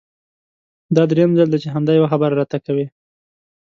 دا درېيم ځل دی چې همدا يوه خبره راته کوې!